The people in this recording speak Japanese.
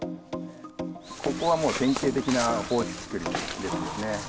ここはもう、典型的な放置竹林ですよね。